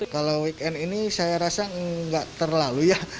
kalau weekend ini saya rasa nggak terlalu ya